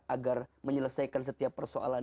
agar menyelesaikan setiap persoalan